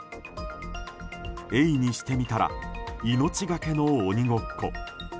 エイにしてみたら命がけの鬼ごっこ。